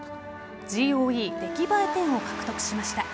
ＧＯＥ出来栄え点を獲得しました。